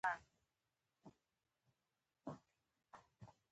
د امفيټرایکس فلاجیل لرونکو باکتریاوو په نوم یادیږي.